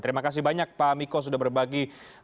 terima kasih banyak pak miko sudah berbagi